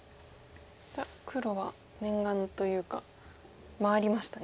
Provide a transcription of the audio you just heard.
黒は念願というか回りましたね。